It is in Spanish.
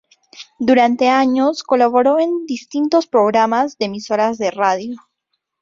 Durante años colaboró en distintos programas de emisoras de radio.